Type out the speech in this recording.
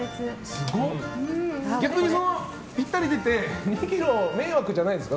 逆に、ぴったり出て２ｋｇ迷惑じゃないですか？